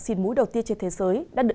xịn mũi đầu tiên trên thế giới đã được